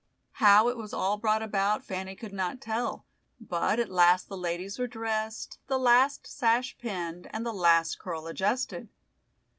How it was all brought about, Fanny could not tell, but at last the ladies were dressed, the last sash pinned, and the last curl adjusted.